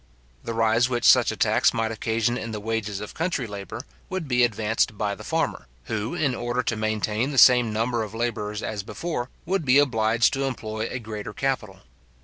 The rise which such a tax might occasion in the wages of country labour would be advanced by the farmer, who, in order to maintain the same number of labourers as before, would be obliged to employ a greater capital.